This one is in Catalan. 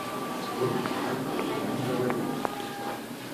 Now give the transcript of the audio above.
Forma part del govern de Vermont.